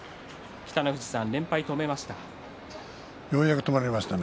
北の富士さん、連敗止めましたね。